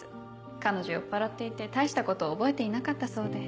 彼女酔っぱらっていて大したことを覚えていなかったそうで。